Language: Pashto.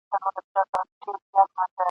زما دي په یاد وي ستا دي هېر وي ګلي ..